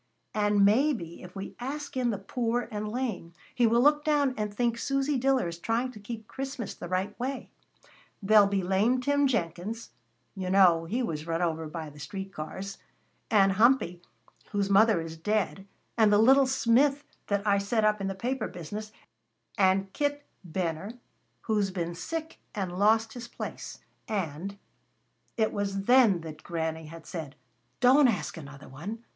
"And maybe, if we ask in the poor and lame, He will look down and think Susy Diller is trying to keep Christmas the right way. There'll be lame Tim Jenkins, you know he was run over by the street cars, and Humpy, whose mother is dead, and the little Smith that I set up in the paper business, and Kit Benner, who's been sick and lost his place, and " It was then that Granny had said: "Don't ask another one.